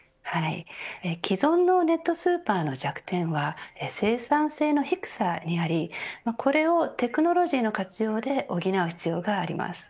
既存のネットスーパーの弱点は生産性の低さにありこれを、テクノロジーの活用で補う必要があります。